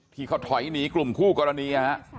ที่เขาถอยหนีกลุ่มคู่กรณี